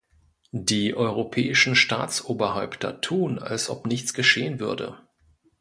Die europäischen Staatsoberhäupter tun, als ob nichts geschehen würde.